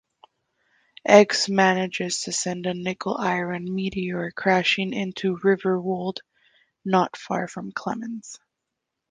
X manages to send a nickel-iron meteor crashing into Riverwold, not far from Clemens.